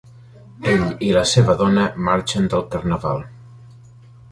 Ell i la seva dona marxen del carnaval.